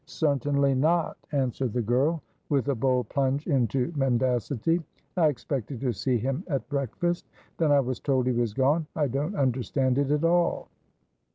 "Certainly not," answered the girl, with a bold plunge into mendacity. "I expected to see him at breakfast. Then I was told he was gone. I don't understand it at all."